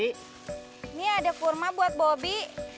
ini ada kurma buat bobi